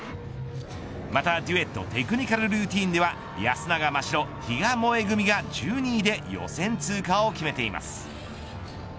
またデュエットテクニカルルーティンでは安永真白、比嘉もえ組が１２位で予選通過を決めています。